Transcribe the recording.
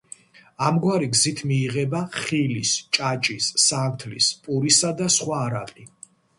ამგვარი გზით მიიღება ხილის, ჭაჭის, სანთლის, პურისა და სხვა არაყი.